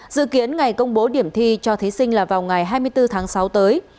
dự kiến ngày công bố điểm thi cho thí sinh là vào ngày hai mươi bốn tháng sáu tới